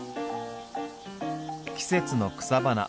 季節の草花。